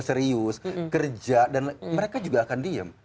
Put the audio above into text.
serius kerja dan mereka juga akan diem